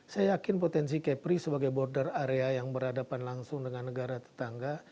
saya yakin potensi kepri sebagai border area yang berhadapan langsung dengan negara tetangga